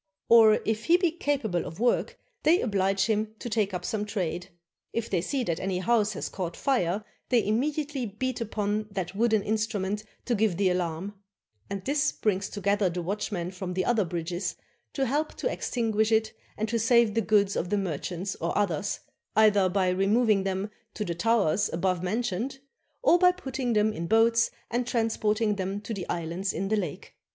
Or if he be capable of work, they oblige him to take up some trade. If they see that any house has caught fire, they immediately beat upon that 125 CHINA wooden instrument to give the alarm; and this brings together the watchmen from the other bridges to help to extinguish it and to save the goods of the merchants or others, either by removing them to the towers above mentioned or by putting them in boats and transporting them to the islands in the lake.